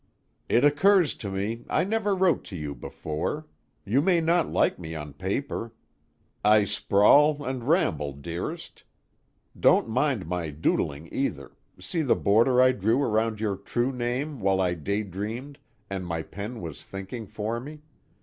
"It occurs to me, I never wrote to you before. You may not like me on paper. I sprawl and ramble, Dearest. Don't mind my doodling either see the border I drew around your true name while I daydreamed and my pen was thinking for me?